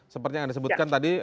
seperti yang anda sebutkan tadi